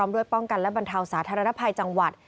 ด้วยป้องกันและบรรเทาสาธารณภัยจังหวัด